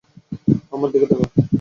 আমার দিকে তাকা।